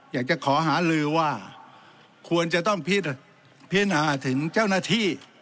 อยากจะขอหาลือว่าควรจะต้องพิจารณาถึงเจ้าหน้าที่